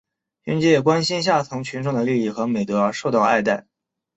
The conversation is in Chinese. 凭借关心下层群众的利益和美德而受到爱戴。